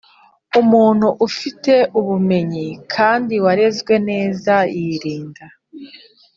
umuntu ufite ubumenyi kandi warezwe neza yirinda.